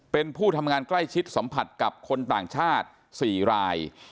เป็นผู้ทำงานใกล้ชิดสัมผัสกับคนต่างชาติ๔ราย